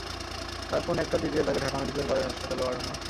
রাত পৌনে একটার দিকে তাঁকে ঢাকা মেডিকেল কলেজ হাসপাতালে পাঠানো হয়।